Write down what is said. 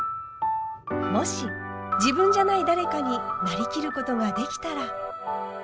もし自分じゃない誰かになりきることができたら。